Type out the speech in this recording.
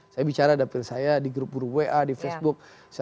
saya bicara dapil saya di grup grup wa di facebook